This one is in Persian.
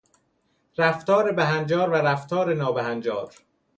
رفتار بهنجار و رفتار نابهنجار